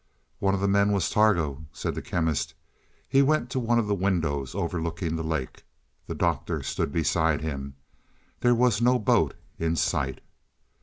"One of the men was Targo," said the Chemist. He went to one of the windows overlooking the lake; the Doctor stood beside him. There was no boat in sight.